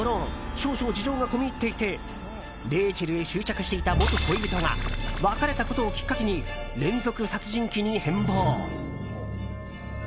少々事情が込み入っていてレイチェルへ執着していた元恋人が別れたことをきっかけに連続殺人鬼に変貌。